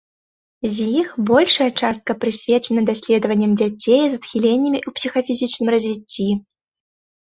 З іх большая частка прысвечана даследаванням дзяцей з адхіленнямі ў псіхафізічным развіцці.